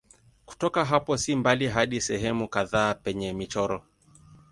Kutoka hapo si mbali hadi sehemu kadhaa penye michoro.